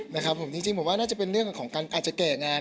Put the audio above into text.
นะครับผมจริงผมว่าน่าจะเป็นเรื่องของการอาจจะแก่งาน